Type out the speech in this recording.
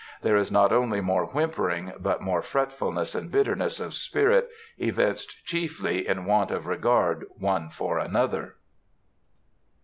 There is not only more whimpering, but more fretfulness and bitterness of spirit, evinced chiefly in want of regard one for another.